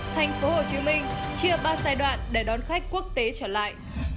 thành phố hồ chí minh chia ba giai đoạn để đón khách quốc tế trở lại